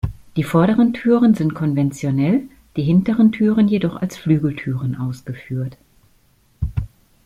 Die vorderen Türen sind konventionell, die hinteren Türen jedoch als Flügeltüren ausgeführt.